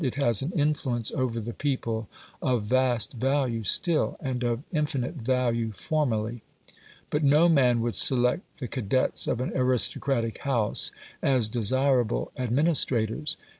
It has an influence over the people of vast value still, and of infinite value formerly. But no man would select the cadets of an aristocratic house as desirable administrators.